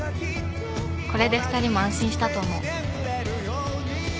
これで２人も安心したと思う」